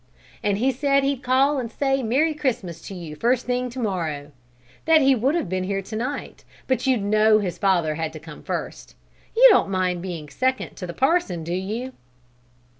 "And he said he'd call and say 'Merry Christmas' to you the first thing to morrow; that he would have been here to night but you'd know his father had to come first. You don't mind being second to the parson, do you?"